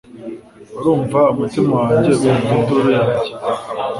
urumva umutima wanjye ukumva induru yanjye